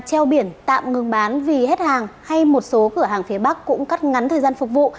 treo biển tạm ngừng bán vì hết hàng hay một số cửa hàng phía bắc cũng cắt ngắn thời gian phục vụ